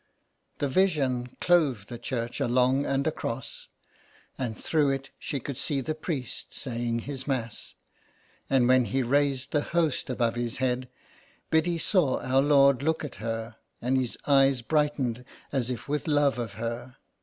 The vision clove the church along and across, and through it she could see the priest saying his Mass, and when he raised the Host above his head, Biddy saw Our Lord look at her, and His eyes brightened as if with love of her.